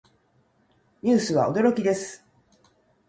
ニュースは驚きです。